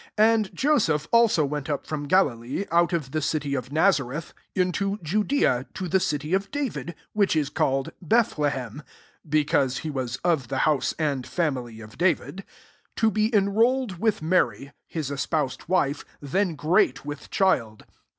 4 And Joseph also wentt^ from Galilee ^ out of the city of Kazareth^ into Judeay to the city of David^ %Mch is called Bethlehem^ {because he was of the house and family of Davidj), S to be enrolled with Mary, Ids espoused wifcy thcti great with cJdld.